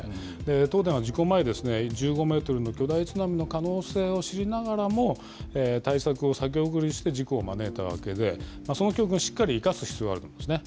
東電は事故前、１５メートルの巨大津波の可能性を知りながらも、対策を先送りして事故を招いたわけで、その教訓をしっかり生かす必要があると思うんですね。